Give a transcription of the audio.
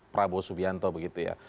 prabowo subianto begitu ya